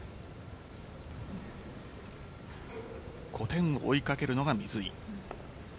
５点を追いかけるのが水井。